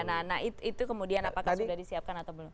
nah itu kemudian apakah sudah disiapkan atau belum